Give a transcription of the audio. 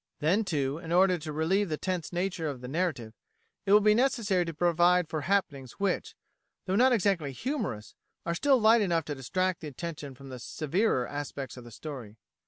Then, too, in order to relieve the tense nature of the narrative, it will be necessary to provide for happenings which, though not exactly humorous, are still light enough to distract the attention from the severer aspects of the story.